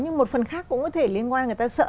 nhưng một phần khác cũng có thể liên quan người ta sợ